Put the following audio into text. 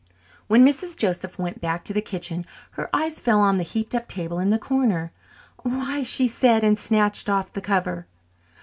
When Mrs. Joseph went back to the kitchen her eyes fell on the heaped up table in the corner. "Why y!" she said, and snatched off the cover.